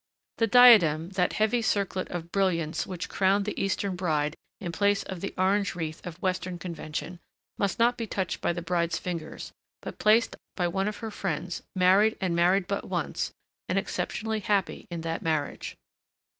The diadem, that heavy circlet of brilliants which crowned the Eastern bride in place of the orange wreath of Western convention, must not be touched by the bride's fingers but placed by one of her friends, married and married but once, and exceptionally happy in that marriage.